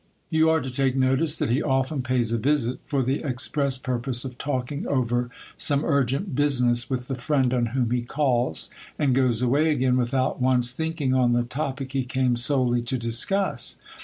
You are to I it he often pays a visit, for the express pur pose of" talking over some urgent business with the friend on whom he calls, and goes away again without once thinking on the topic he came solely to discuss.